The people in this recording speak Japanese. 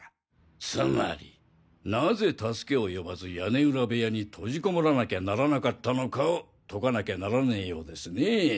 つまりなぜ助けを呼ばず屋根裏部屋に閉じこもらなきゃならなかったのかを解かなきゃならねぇようですねぇ。